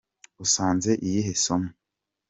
Usanze iyihe sano